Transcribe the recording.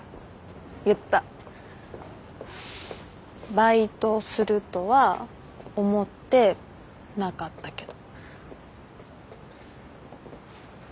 バイトするとは思ってなかったけど。